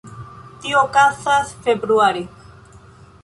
Tio okazas februare.